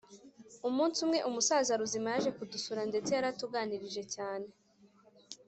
umunsi umwe umusaza ruzima yaje kudusura ndetse yaratuganirije cyane